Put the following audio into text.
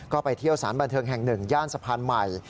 ก็ไปเที่ยวสารบันเทิงแห่ง๑ย่านสะพานใหม่